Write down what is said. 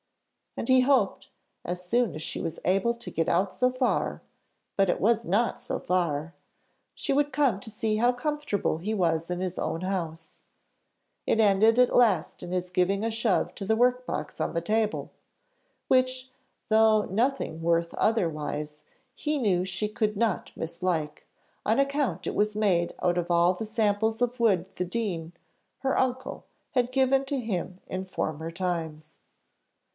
And he hoped, as soon as she was able to get out so far but it was not so far she would come to see how comfortable he was in his own house. It ended at last in his giving a shove to the work box on the table, which, though nothing worth otherwise, he knew she could not mislike, on account it was made out of all the samples of wood the dean, her uncle, had given to him in former times.